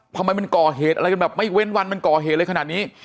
ทำไมมันก่อเหตุอะไรกันแบบไม่เว้นวันมันก่อเหตุอะไรขนาดนี้